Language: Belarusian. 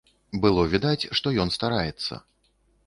Было відаць, што ён стараецца.